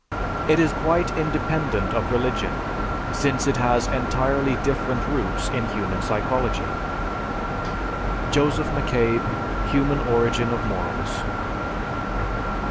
It is quite independent of religion, since it has entirely different roots in human psychology." (_Joseph McCabe: "Human Origin of Morals."